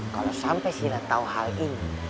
kalau sampai silah tau hal ini